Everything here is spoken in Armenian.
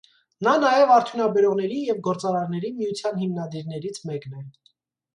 Նա նաև արդյունաբերողների և գործարարների միության հիմնադիրներից մեկն է։